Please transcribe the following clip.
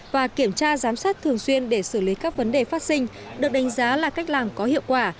và kiểm tra giám sát thường xuyên để xử lý các vấn đề phát sinh được đánh giá là cách làm có hiệu quả